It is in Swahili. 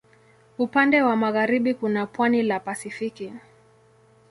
Upande wa magharibi kuna pwani la Pasifiki.